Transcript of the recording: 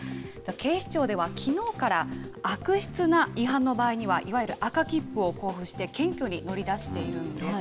警視庁では、きのうから悪質な違反の場合には、いわゆる赤切符を交付して検挙に乗り出しているんです。